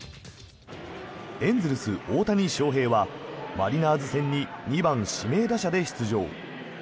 エンゼルス、大谷翔平はマリナーズ戦に２番指名打者で出場。